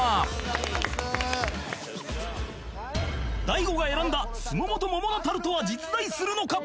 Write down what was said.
大悟が選んだすももと桃のタルトは実在するのか？